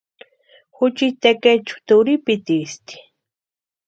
Juchiti tekechu turhipitiisti.